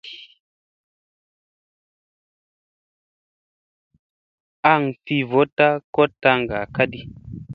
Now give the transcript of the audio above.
An fi voɗta koɗ tan kadi.